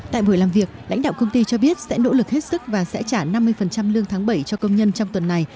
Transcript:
tại buổi làm việc lãnh đạo công ty cho biết sẽ nỗ lực hết sức và sẽ trả năm mươi lương tháng bảy cho công nhân trong tuần này